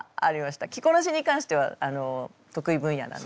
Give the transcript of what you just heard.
着こなしに関しては得意分野なので。